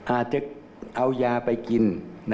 อาจจะเอายาไปกิน